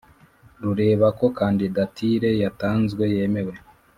Lureba ko kandidatire yatanzwe yemewe